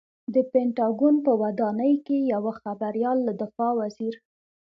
د پنټاګون په ودانۍ کې یوه خبریال له دفاع وزیر